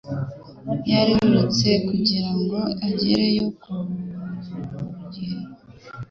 Yarirutse kugira ngo agereyo ku gihe